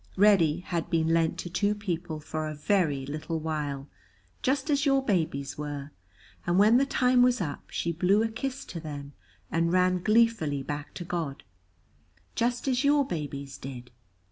Reddy had been lent to two people for a very little while, just as your babies were, and when the time was up she blew a kiss to them and ran gleefully back to God, just as your babies did.